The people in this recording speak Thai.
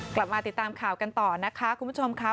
กลับมาติดตามข่าวกันต่อนะคะคุณผู้ชมค่ะ